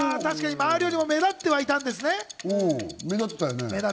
周りよりも目立っていたんですね。